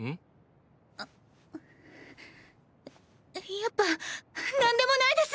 やっぱ何でもないです！